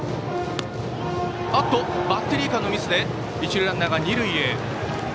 バッテリー間のミスで一塁ランナーは二塁へ。